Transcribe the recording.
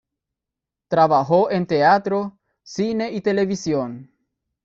Trabajó en teatro, cine y televisión.